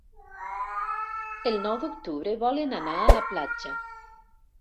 El nou d'octubre volen anar a la platja.